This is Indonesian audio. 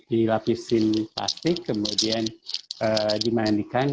dilapisin plastik kemudian dimandikan